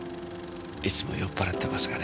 いつも酔っ払ってますがね。